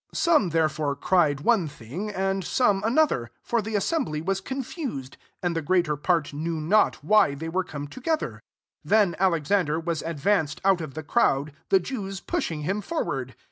32 Some therefore cried one thing, and some another : for the assembly was confused, and the greater part knew not why they were come together. 33 Then Alex | ander was advanced out of the| crowds the Jews pushing him forward.